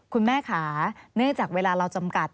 คุณแม่ค่ะเนื่องจากเวลาเราจำกัด